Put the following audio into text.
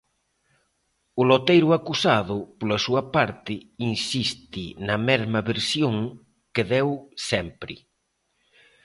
O loteiro acusado, pola súa parte, insiste na mesma versión que deu sempre.